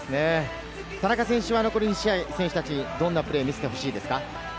田中選手は残り２試合、どんなプレーを見せてほしいですか？